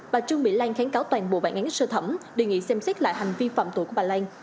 bà trương mỹ lan kháng cáo toàn bộ bản án sơ thẩm đề nghị xem xét lại hành vi phạm tội của bà lan